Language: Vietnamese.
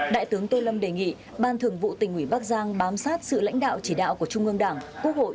đại tướng tô lâm đề nghị ban thường vụ tỉnh ủy bắc giang bám sát sự lãnh đạo chỉ đạo của trung ương đảng quốc hội